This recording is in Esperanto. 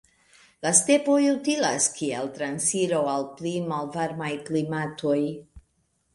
La stepoj utilas kiel transiro al pli malvarmaj klimatoj.